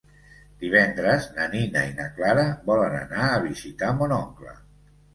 Divendres na Nina i na Clara volen anar a visitar mon oncle.